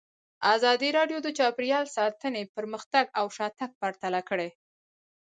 ازادي راډیو د چاپیریال ساتنه پرمختګ او شاتګ پرتله کړی.